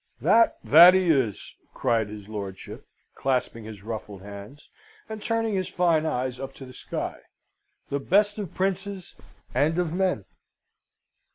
"That, that he is!" cried his lordship, clasping his ruffled hands, and turning his fine eyes up to the sky, "the best of princes and of men."